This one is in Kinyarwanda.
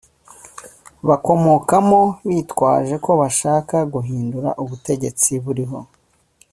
bakomokamo bitwaje ko bashaka guhindura ubutegetsi buriho?